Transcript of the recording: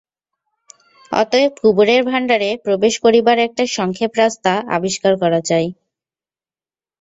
অতএব কুবেরের ভাণ্ডারে প্রবেশ করিবার একটা সংক্ষেপ রাস্তা আবিষ্কার করা চাই।